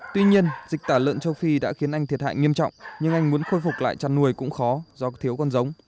tuy nhiên dịch tả lợn châu phi đã khiến anh thiệt hại nghiêm trọng nhưng anh muốn khôi phục lại chăn nuôi cũng khó do thiếu con giống